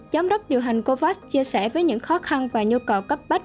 giám đốc điều hành covax chia sẻ với những khó khăn và nhu cầu cấp bách